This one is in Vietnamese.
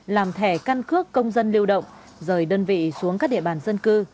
làm thẻ căn cước công dân lưu động rời đơn vị xuống các địa bàn dân cư